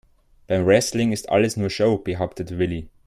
Beim Wrestling ist alles nur Show, behauptet Willi.